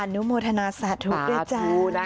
นุโมทนาสาธุด้วยจ้า